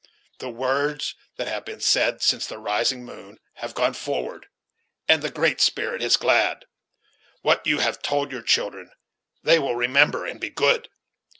The words that have been said, since the rising moon, have gone upward, and the Great Spirit is glad. What you have told your children, they will remember, and be good."